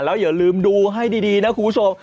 แล้วอย่าลืมดูให้ดีนะคุณผู้ชม